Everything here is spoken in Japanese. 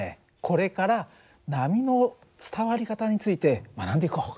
これから波の伝わり方について学んでいこう！